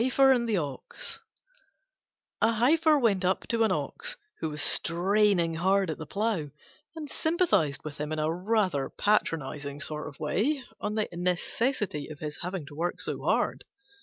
THE HEIFER AND THE OX A Heifer went up to an Ox, who was straining hard at the plough, and sympathised with him in a rather patronising sort of way on the necessity of his having to work so hard.